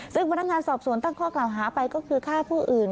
ซึ่งพนักงานสอบสวนตั้งข้อกล่าวหาไปก็คือฆ่าผู้อื่น